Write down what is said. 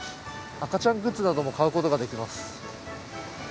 赤ちゃんグッズなども買うことができます。